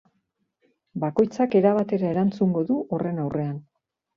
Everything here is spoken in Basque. Bakoitzak era batera erantzungo du horren aurrean.